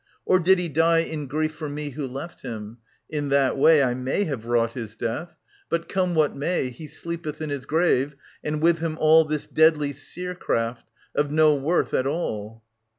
... Or did he die In grief for me who left him ? In that way 1 may have wrought his death. ... But come what may, He sleepeth in his grave and with him all This deadly seercraft, of no worth at all.